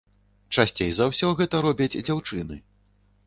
Часцей за ўсё гэта робяць дзяўчыны.